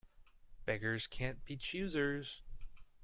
Beggars can't be choosers.